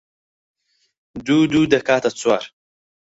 دوو و دوو دەکاتە چوار